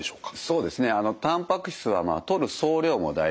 そうですね。